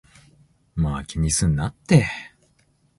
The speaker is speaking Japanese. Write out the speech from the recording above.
まぁ、気にすんなって